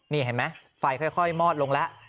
นี่เห็นไหมไฟค่อยมอดลงแล้ว